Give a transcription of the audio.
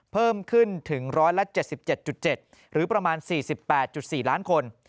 เพิ่มขึ้นถึง๑๗๗หรือประมาณ๔๘๔ล้านคน